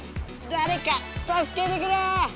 だれかたすけてくれ！